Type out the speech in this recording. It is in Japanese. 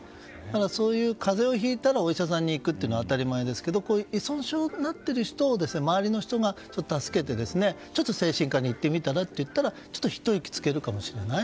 そういう風邪をひいたらお医者さんに行くというのは当たり前ですがこういう依存症になっている人を周りの人が助けてあげて精神科に行ってみたら？といえばひと息つけるかもしれない。